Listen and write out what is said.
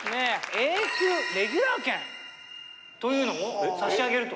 永久レギュラー権というのを差し上げると。